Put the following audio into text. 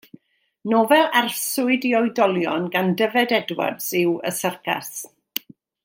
Nofel arswyd i oedolion gan Dyfed Edwards yw Y Syrcas.